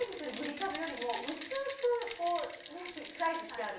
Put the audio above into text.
しゃぶよりも薄くこうスライスしてある。